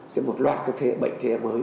sẽ một loạt các bệnh thế hệ mới